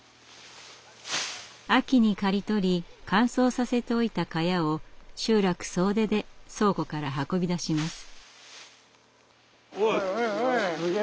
秋に刈り取り乾燥させておいた萱を集落総出で倉庫から運び出します。